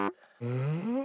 うん？